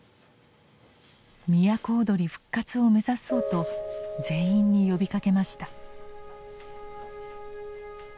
都をどり復活を目指そうと全員に呼びかけました。